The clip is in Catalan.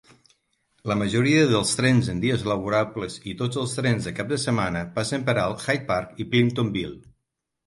La majoria dels trens en dies laborables, i tots els trens de cap de setmana, passen per alt Hyde Park i Plimptonville.